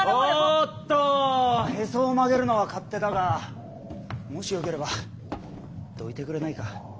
おっとへそを曲げるのは勝手だがもしよければどいてくれないか。